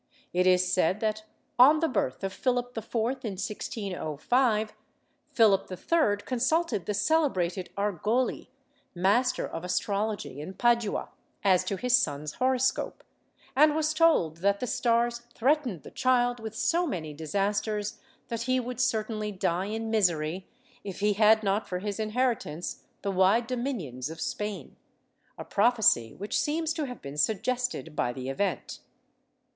It is said that, on the birth of Philip IV, in 1605, Philip III consulted the celebrated Argoli, master of astrology in Padua, as to his son's horoscope, and was told that the stars threat ened the child with so many disasters that he would certainly die in misery if he had not for his inheritance the wide dominions of Spain— a prophecy which seems to have been suggested by the event.